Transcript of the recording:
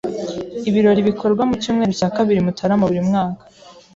Ibirori bikorwa mu cyumweru cya kabiri Mutarama buri mwaka.